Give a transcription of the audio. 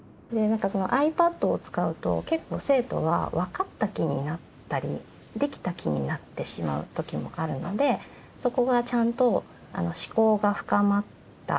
ｉＰａｄを使うと結構生徒は分かった気になったりできた気になってしまう時もあるのでそこがちゃんと思考が深まった。